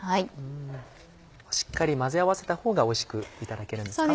しっかり混ぜ合わせたほうがおいしくいただけるんですか？